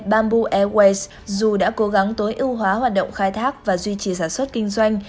bamboo airways dù đã cố gắng tối ưu hóa hoạt động khai thác và duy trì sản xuất kinh doanh